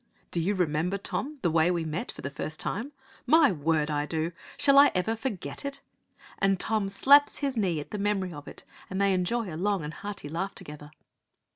'Do you remember, Tom, the way we met for the first time?' 'My word, I do! Shall I ever forget it?' And Tom slaps his knee at the memory of it, and they enjoy a long and hearty laugh together.